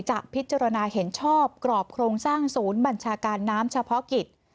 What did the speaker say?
จะพิจารณาเห็นชอบกรอบโครงสร้างศูนย์บัญชาการน้ำเฉพาะกิจ